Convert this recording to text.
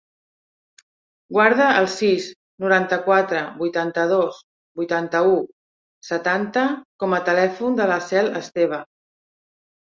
Guarda el sis, noranta-quatre, vuitanta-dos, vuitanta-u, setanta com a telèfon de la Cel Esteva.